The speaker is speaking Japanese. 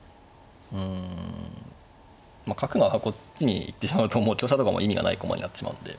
うん角がこっちに行ってしまうともう香車とかも意味がない駒になってしまうんで。